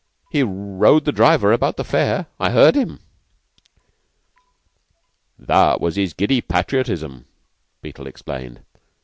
He rowed the driver about the fare. I heard him." "That was his giddy patriotism," Beetle explained.